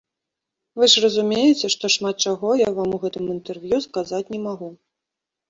Вы ж разумееце, што шмат чаго я вам у гэтым інтэрв'ю сказаць не магу.